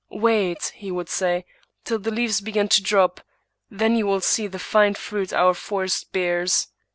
" Wait," he would say, " till the leaves begin to drop; then you will see what fine fruit our forest bears."